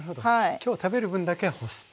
今日食べる分だけ干す。